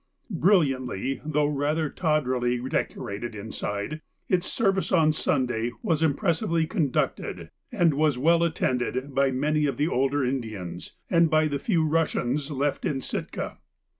Brilliantly though rather tawdrily decorated inside, its service on Sunday was impressively conducted and was well attended by many of the older Indians, and by the few Russians left in Sitka.